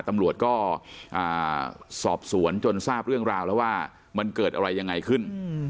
ตำรวจก็สอบสวนจนทราบเรื่องราวแล้วว่ามันเกิดอะไรยังไงขึ้น